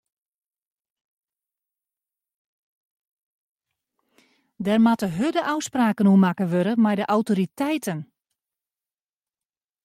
Dêr moatte hurde ôfspraken oer makke wurde mei de autoriteiten.